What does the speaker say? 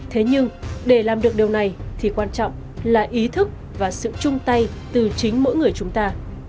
thế nhưng để làm được điều này thì quan trọng là ý thức và sự chung tay từ chính mỗi người chúng ta